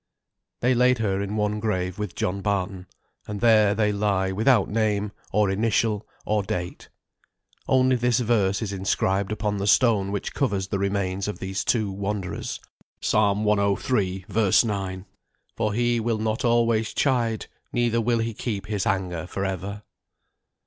They laid her in one grave with John Barton. And there they lie without name, or initial, or date. Only this verse is inscribed upon the stone which covers the remains of these two wanderers. Psalm ciii. v. 9. "For He will not always chide, neither will He keep His anger for ever."